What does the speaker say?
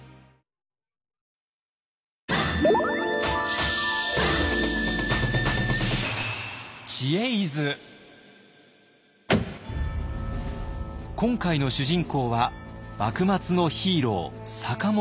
今回の主人公は幕末のヒーロー坂本龍馬。